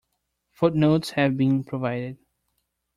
Footnotes have been provided.